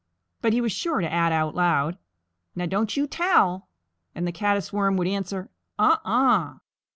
But he was sure to add out loud, "Now don't you tell." And the Caddis Worm would answer, "Uh uh!"